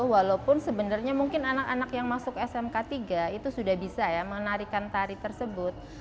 walaupun sebenarnya mungkin anak anak yang masuk smk tiga itu sudah bisa ya menarikan tari tersebut